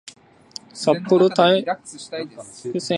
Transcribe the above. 札幌・台北線開設